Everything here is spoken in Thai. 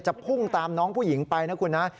พุ่งตามน้องผู้หญิงไปนะคุณนะ